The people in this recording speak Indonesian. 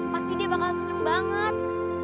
pasti dia bakal seneng banget